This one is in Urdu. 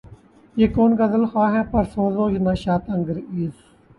یہ کون غزل خواں ہے پرسوز و نشاط انگیز